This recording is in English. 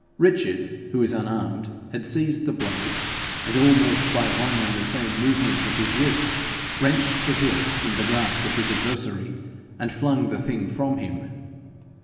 Richard, who was unarmed, had seized the blade, and, almost by one and the same movement of his wrist, wrenched the hilt from the grasp of his adversary, and flung the thing from him.